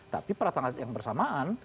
tapi peratangan yang bersamaan